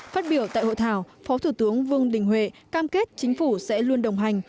phát biểu tại hội thảo phó thủ tướng vương đình huệ cam kết chính phủ sẽ luôn đồng hành